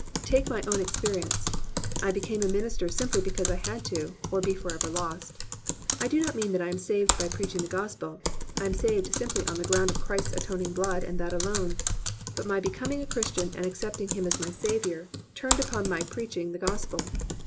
Take my own experience. I became a minister simply because I had to, or be forever lost. I do not mean that I am saved by preaching the Gospel; I am saved simply on the ground of Christ's atoning blood and that alone; but my becoming a Christian and accepting Him as my Saviour turned upon my preaching the Gospel.